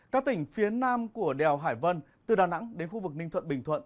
các tỉnh phía nam của đèo hải vân từ đà nẵng đến khu vực ninh thuận bình thuận